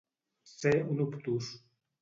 Ser un obtús.